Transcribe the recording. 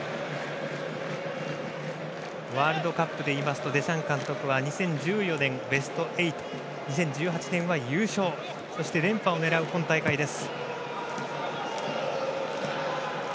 ワールドカップで言いますとデシャン監督は２０１４年はベスト８２０１８年は優勝そして連覇を狙う今大会です。